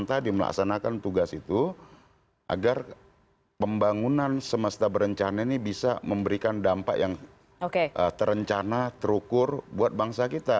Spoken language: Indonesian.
tadi melaksanakan tugas itu agar pembangunan semesta berencana ini bisa memberikan dampak yang terencana terukur buat bangsa kita